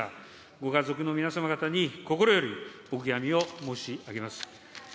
ご家族の皆様方に心よりお悔やみを申し上げます。